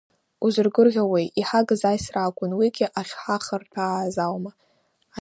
Узыргәырӷьауеи, иҳагыз аисра акәын, уигьы ахьхаҳарҭәааз аума?